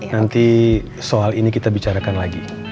nanti soal ini kita bicarakan lagi